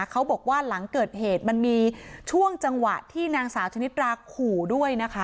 เขาบอกว่าหลังเกิดเหตุมันมีช่วงจังหวะที่นางสาวชนิดราขู่ด้วยนะคะ